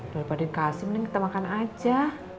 daripada dikasih mending kita makan aja